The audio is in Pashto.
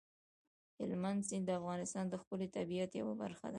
هلمند سیند د افغانستان د ښکلي طبیعت یوه برخه ده.